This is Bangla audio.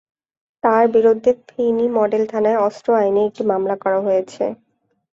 তাঁর বিরুদ্ধে ফেনী মডেল থানায় অস্ত্র আইনে একটি মামলা করা হয়েছে।